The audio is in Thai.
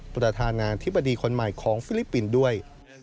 ประธานาธิบดีคนใหม่ของฟิลิปปินส์ด้วย